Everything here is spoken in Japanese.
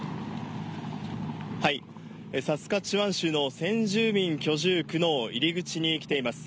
サスカチワン州の先住民居住区の入り口に来ています。